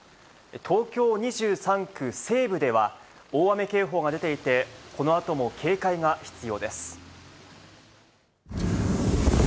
東京２３区西部では、大雨警報が出ていて、このあとも警戒が必要です。